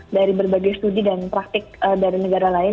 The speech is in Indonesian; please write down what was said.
dari berbagai studi dan praktik dari negara lain